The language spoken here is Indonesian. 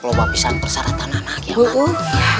pelopak pisang perseratan anak anak kiaman